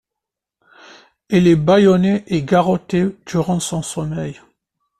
Il est bâillonné et garrotté durant son sommeil.